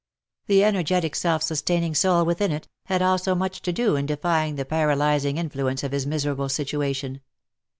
The energetic self sustaining soul within it, had also much to do in defying the paralyzing influence of his miserable situation.